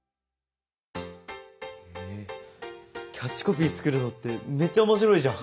へえキャッチコピー作るのってめっちゃ面白いじゃん！